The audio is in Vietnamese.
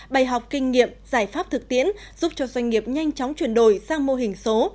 bày học kinh nghiệm giải pháp thực tiễn giúp cho doanh nghiệp nhanh chóng chuyển đổi sang mô hình số